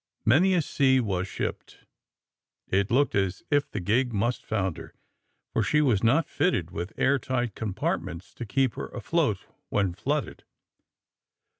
Many a sea was shipped. It looked as if the gig must founder, for she was not fitted with air tight compartments to keep her afloat when flooded.